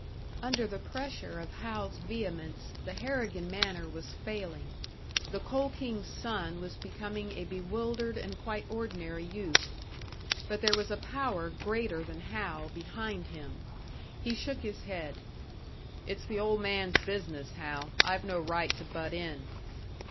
Under the pressure of Hal's vehemence, the Harrigan manner was failing; the Coal King's son was becoming a bewildered and quite ordinary youth. But there was a power greater than Hal behind him. He shook his head. "It's the old man's business, Hal. I've no right to butt in!"